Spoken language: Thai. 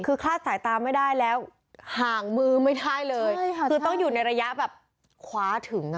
คือคลาดสายตาไม่ได้แล้วห่างมือไม่ได้เลยใช่ค่ะคือต้องอยู่ในระยะแบบคว้าถึงอ่ะ